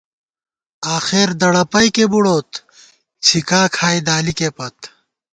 آخر دڑَپَئکے بُڑوت ، څِھکا کھائی دالِکے پت